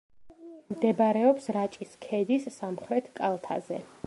მდებარეობს რაჭის ქედის სამხრეთ კალთაზე.